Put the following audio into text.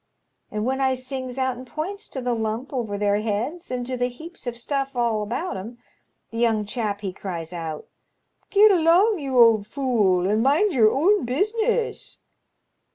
And when I sings out and points to the lump over their heads and to the heaps of stuff all about 'em, the young chap he cries out, * Git along, you old fool, and mind your own business.'